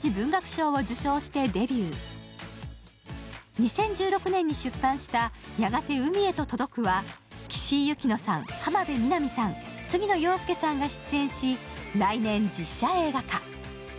２０１６年に出版した、「やがて海へと届く」は岸井ゆきのさん、浜辺美波さん、杉野遥亮さんが出演し、来年実写映画化。